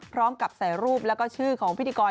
ก็ต้องกลับใส่รูปและชื่อของพิธีกร